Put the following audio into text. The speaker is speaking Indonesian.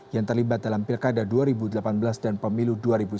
yang terlibat dalam pilkada dua ribu delapan belas dan pemilu dua ribu sembilan belas